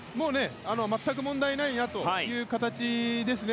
全く問題ないなという形ですね。